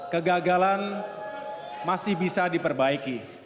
kegagalan masih bisa diperbaiki